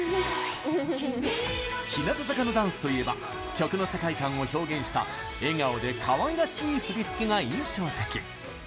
日向坂のダンスといえば曲の世界観を表現した笑顔でかわいらしい振り付けが印象的。